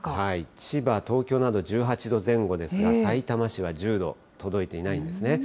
千葉、東京など１８度前後ですが、さいたま市は１０度、届いていないんですね。